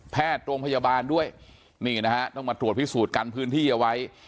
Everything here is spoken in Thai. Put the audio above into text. โรงพยาบาลด้วยนี่นะฮะต้องมาตรวจพิสูจน์กันพื้นที่เอาไว้